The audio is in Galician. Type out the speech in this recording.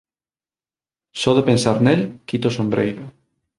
Só de pensar nel, quito o sombreiro.